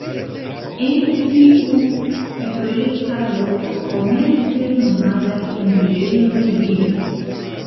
En tiu pitoreska loko komence nomadaj indiĝenoj vivis.